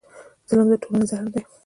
ظلم د ټولنې زهر دی.